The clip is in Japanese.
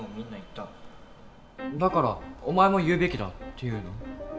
だからお前も言うべきだっていうの。